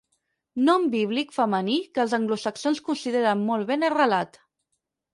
Nom bíblic femení que els anglosaxons consideren molt ben arrelat.